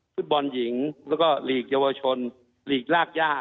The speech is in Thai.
ฟุตบอลหญิงแล้วก็หลีกเยาวชนหลีกรากย่า